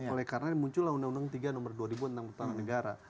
oleh karena muncul undang undang nomor dua ribu